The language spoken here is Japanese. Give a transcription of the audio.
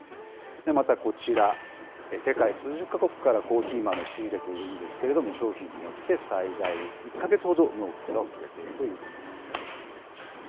またこちら、世界数十か国からコーヒー豆仕入れているんですけれども、商品によって最大１か月ほど納期が遅れているということなんです。